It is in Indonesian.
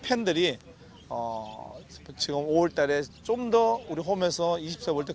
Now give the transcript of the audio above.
kami ingin menangkan pertempuran di world cup u dua puluh di jokowi pada bulan lima